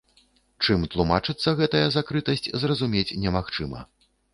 Чым тлумачыцца гэтая закрытасць, зразумець немагчыма.